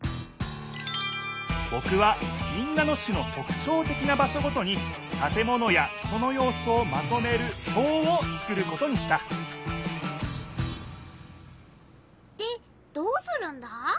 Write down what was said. ぼくは民奈野市のとくちょうてきな場所ごとにたて物や人のようすをまとめるひょうを作ることにしたでどうするんだ？